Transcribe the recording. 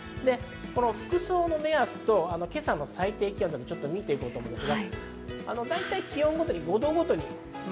服装の目安と今朝の最低気温を見て行こうと思います。